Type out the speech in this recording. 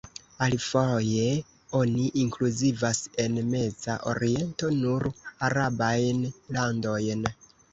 Alifoje, oni inkluzivas en "Meza Oriento" nur arabajn landojn.